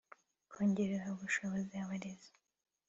kongerera ubushobozi abarezi